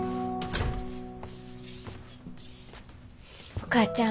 お母ちゃん。